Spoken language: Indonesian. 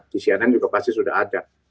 di cnn juga pasti sudah ada